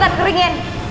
nanti gue keringin